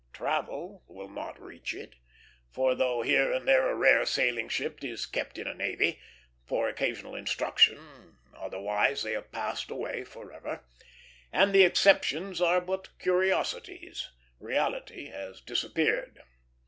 Travel will not reach it; for though here and there a rare sailing ship is kept in a navy, for occasional instruction, otherwise they have passed away forever; and the exceptions are but curiosities reality has disappeared.